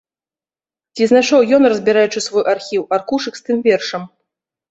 Ці знайшоў ён, разбіраючы свой архіў, аркушык з тым вершам?